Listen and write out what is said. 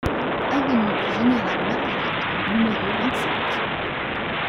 Avenue du Général Margueritte au numéro vingt-cinq